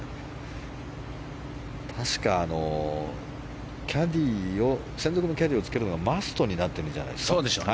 確か、専属のキャディーをつけるのがマストになっているんじゃないですか。